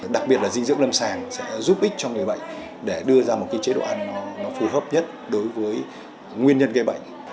đặc biệt là dinh dưỡng lâm sàng sẽ giúp ích cho người bệnh để đưa ra một cái chế độ ăn nó phù hợp nhất đối với nguyên nhân gây bệnh